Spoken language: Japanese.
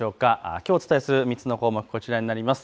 きょうお伝えする３つの項目、こちらになります。